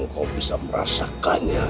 kau bisa merasakannya